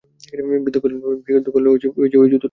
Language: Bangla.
বৃদ্ধ কহিলেন, ঐ যে, ঐ জুতোটা।